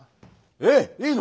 えっいいの？